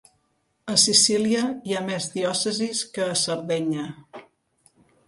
A Sicília hi ha més diòcesis que a Sardenya.